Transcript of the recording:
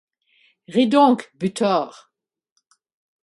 Ris donc, butor !